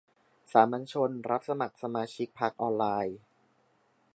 สามัญชน รับสมัครสมาชิกพรรคออนไลน์